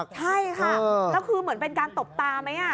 ใช่ค่ะแล้วคือเหมือนเป็นการตบตาไหม